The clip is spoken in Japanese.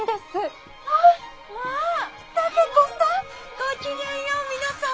ごきげんよう皆様。